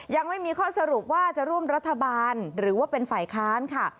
ยังไม่มีข้อสรุปว่าจะร่วมรัฐบาลหรือว่าเป็นฝ่ายค้านค่ะ